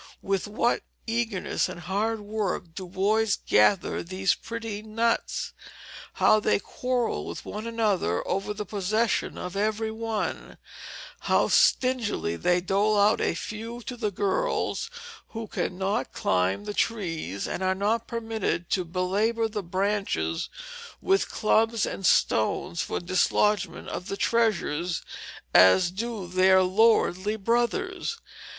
With what eagerness and hard work do boys gather these pretty nuts; how they quarrel with one another over the possession of every one; how stingily they dole out a few to the girls who cannot climb the trees, and are not permitted to belabor the branches with clubs and stones for dislodgment of the treasures, as do their lordly brothers!